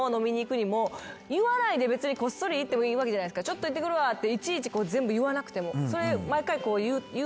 ちょっと行ってくるわっていちいち全部言わなくても。